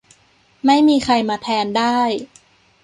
ไม่มีใครมาแทนได้